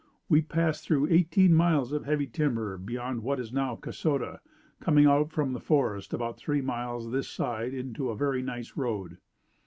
We passed through eighteen miles of heavy timber beyond what is now Kasota, coming out from the forest about three miles this side onto a very nice road.